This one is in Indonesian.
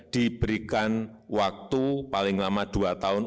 diberikan waktu paling lama dua tahun